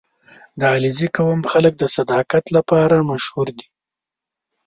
• د علیزي قوم خلک د صداقت لپاره مشهور دي.